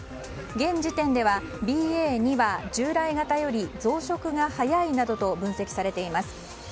現時点では、ＢＡ．２は従来型より増殖が速いなどと分析されています。